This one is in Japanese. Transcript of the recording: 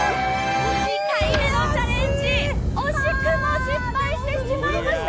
２回目のチャレンジ、惜しくも失敗してしまいました。